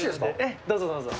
どうぞ、どうぞ。